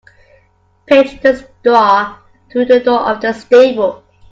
Pitch the straw through the door of the stable.